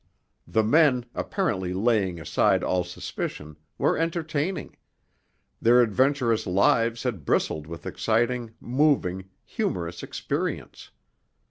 The men, apparently laying aside all suspicion, were entertaining; their adventurous lives had bristled with exciting, moving, humorous experience.